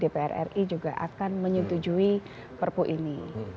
dpr ri juga akan menyetujui perpu ini